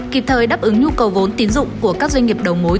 kịp thời đáp ứng nhu cầu vốn tín dụng của các doanh nghiệp đầu mối